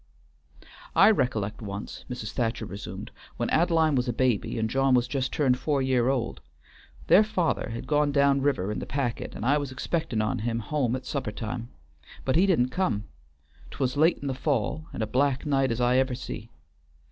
"I rec'lect once," Mrs. Thacher resumed, "when Ad'line was a baby and John was just turned four year old, their father had gone down river in the packet, and I was expectin' on him home at supper time, but he didn't come; 't was late in the fall, and a black night as I ever see.